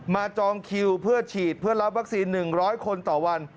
จองคิวเพื่อฉีดเพื่อรับวัคซีน๑๐๐คนต่อวัน